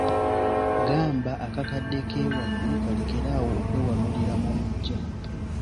Gamba akakadde k’ewammwe kalekere awo okwewalulira mu luggya.